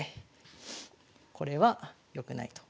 これは良くないと。